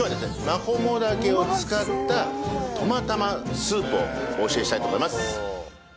マコモダケを使ったトマ玉スープをお教えしたいと思います。